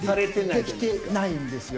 できてないんですよ。